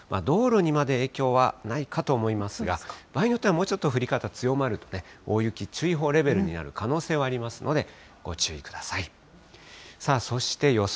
道路にまで影響はないかと思いますが、場合によっては、もうちょっと降り方強まるとね、大雪注意報レベルになる可能性はありますので、ご注意ください。